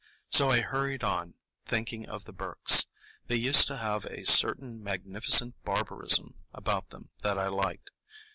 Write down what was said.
So I hurried on, thinking of the Burkes. They used to have a certain magnificent barbarism about them that I liked.